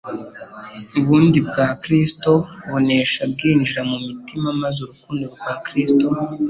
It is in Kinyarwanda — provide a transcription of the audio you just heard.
Ubundi bwa Kristo bunesha bwinjira mu mitima maze urukundo rwa Kristo